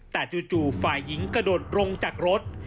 แต่จู่ฝ่ายหญิงกระโดดลงจากรถ